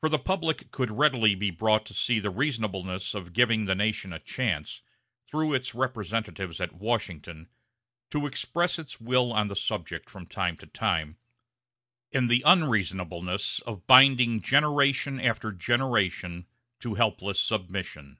For the public could readily be brought to see the reasonableness of giving the nation a chance, through its representatives at Washington, to express its will on the subject from time to time, and the unreasonableness of binding generation after generation to helpless submission.